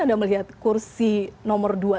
anda melihat kursi nomor dua di indonesia